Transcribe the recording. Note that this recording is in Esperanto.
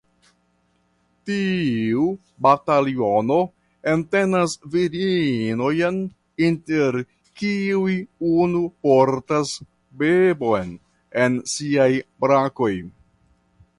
Tiu bataliono entenas virinojn inter kiuj unu portas bebon en siaj brakoj.